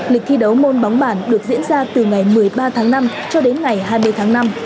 lịch thi đấu môn bóng bản được diễn ra từ ngày một mươi ba tháng năm cho đến ngày hai mươi tháng năm